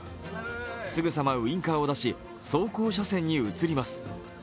すぐさまウインカーを出し走行車線に移ります。